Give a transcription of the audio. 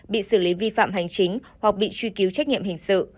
bị xử lý vi phạm hành chính hoặc bị truy cứu trách nhiệm hình sự